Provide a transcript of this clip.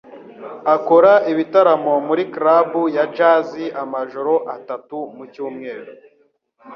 akora ibitaramo muri club ya jazz amajoro atatu mu cyumweru.